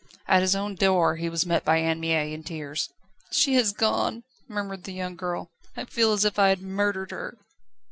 At his own door he was met by Anne Mie in tears. "She has gone," murmured the young girl. "I feel as if I had murdered her."